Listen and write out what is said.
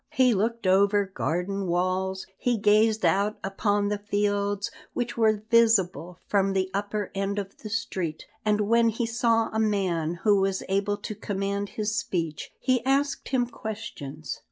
He looked over garden walls, he gazed out upon the fields which were visible from the upper end of the street, and when he saw a man who was able to command his speech he asked him questions.